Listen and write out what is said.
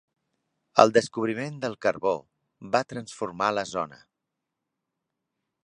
El descobriment de carbó va transformar la zona.